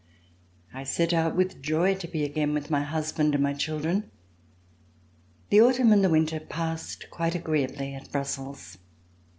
I set out with joy to be again with my husband and my children. The autumn and the winter passed quite agreeably at Brussels.